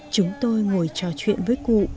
chúng tôi ngồi trò chuyện với cụ